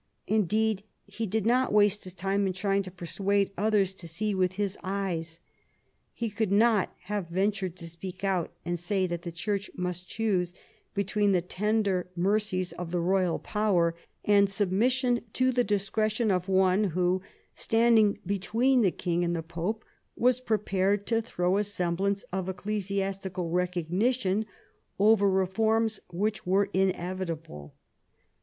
Indeed he did not waste his time in trying to persuade others to see with his eyes. He could not have ventured to speak out and say that the Church must choose between the tender mercies of the royal power and submission to the discretion of one who, standing between the king and the Pope, was prepared to throw a semblance of ecclesiastical recognition over reforms which were inevit able.